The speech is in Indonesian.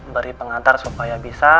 beri pengantar supaya bisa